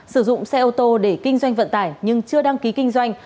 sử dụng xe ô tô để kinh doanh vận tải nhưng chưa đăng ký kinh doanh